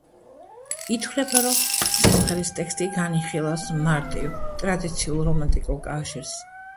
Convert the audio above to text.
ითვლება, რომ სიმღერის ტექსტი განიხილავს მარტივ, ტრადიციულ რომანტიკულ კავშირს.